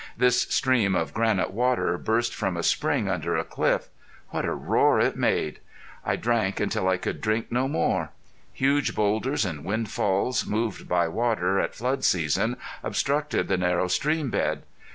This stream of granite water burst from a spring under a cliff. What a roar it made! I drank until I could drink no more. Huge boulders and windfalls, moved by water at flood season, obstructed the narrow stream bed.